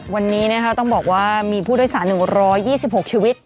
วันนี้ต้องบอกว่ามีผู้โดยสาร๑๒๖ชีวิต